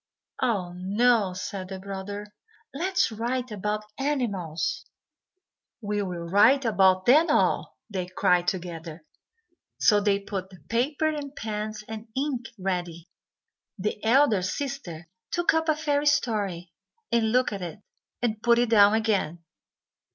"Oh, no," said the brother, "let's write about animals." "We will write about them all," they cried together. So they put the paper, and pens, and ink ready. The elder sister took up a fairy story and looked at it, and put it down again.